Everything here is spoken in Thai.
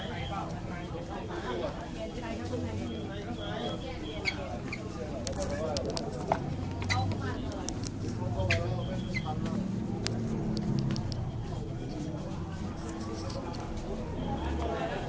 อ่าไปเลยเอาไปขอบคุณครับขอบคุณครับขอบคุณครับ